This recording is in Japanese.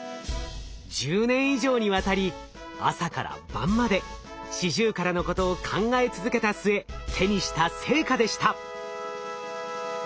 １０年以上にわたり朝から晩までシジュウカラのことを考え続けた末手にした成果でした。